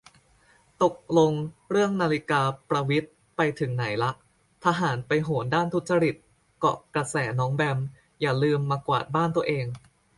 ตกลงเรื่องนาฬิกาประวิตรไปถึงไหนละ ทหารไปโหนต้านทุจริต เกาะกระแสน้องแบม อย่าลืมมากวาดบ้านตัวเอง